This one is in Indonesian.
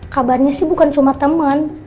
kabarnya sih bukan cuma teman